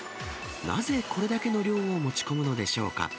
なぜ、これだけの量を持ち込むのでしょうか。